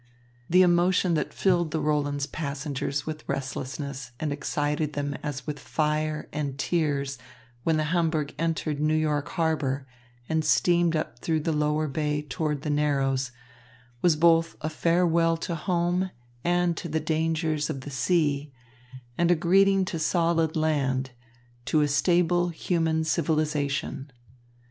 The emotion that filled the Roland's passengers with restlessness and excited them as with fire and tears when the Hamburg entered New York Harbour and steamed up through the Lower Bay toward the Narrows, was both a farewell to home and to the dangers of the sea and a greeting to solid land, to a stable human civilisation.